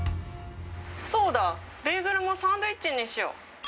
そうだ、ベーグルもサンドイッチにしよう。